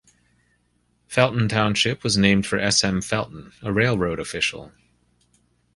Felton Township was named for S. M. Felton, a railroad official.